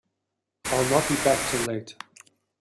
I'll not be back till late.